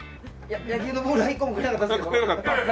野球のボールは１個もくれなかったですけど。